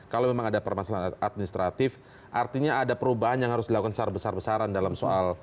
kalau memang ada permasalahan administratif artinya ada perubahan yang harus dilakukan secara besar besaran dalam soal